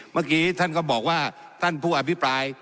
เมื่อกี้ท่านก็บอกว่าท่านผู้อภิปราย